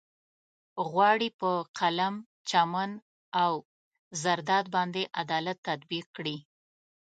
غواړي په قلم، چمن او زرداد باندې عدالت تطبيق کړي.